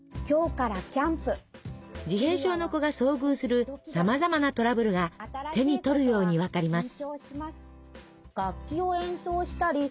自閉症の子が遭遇するさまざまなトラブルが手に取るように分かります。